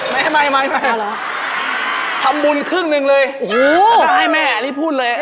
ไม่ทำบุญครึ่งหนึ่งเลยอันนี้ให้แม่อันนี้พูดเลย